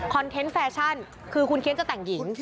เทนต์แฟชั่นคือคุณเคี้ยนจะแต่งหญิง